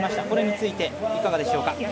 これについていかがでしょうか？